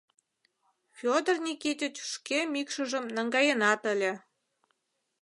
Фёдор Никитич шке мӱкшыжым наҥгаенат ыле.